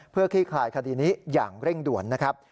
เพื่อคลี่คลายคดีนี้อย่างเร่งด่วนนะครับ